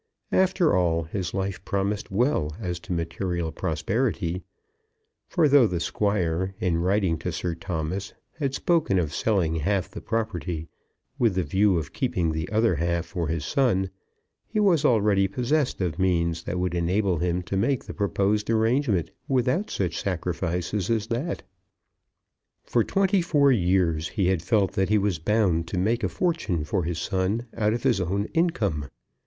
After all, his life promised well as to material prosperity; for, though the Squire, in writing to Sir Thomas, had spoken of selling half the property with the view of keeping the other half for his son, he was already possessed of means that would enable him to make the proposed arrangement without such sacrifice as that. For twenty four years he had felt that he was bound to make a fortune for his son out of his own income.